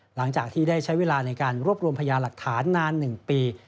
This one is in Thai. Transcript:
หลังจากที่ได้ใช้เวลาในการรวบรวมพยาหลักฐานนาน๑ปี